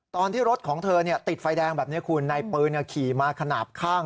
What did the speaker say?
ตอนที่รถของเธอติดไฟแดงแบบนี้คุณในปืนขี่มาขนาดข้าง